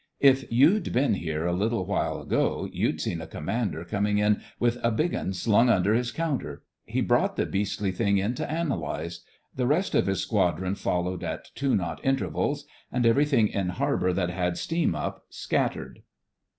"If you'd been here a little while ago, you'd seen a Commander comin' in with a big 'un slung under his counter. He brought the beastly thing in to analyse. The rest of his squadron followed at two knot inter vals, and everything in harbour that had steam up scattered."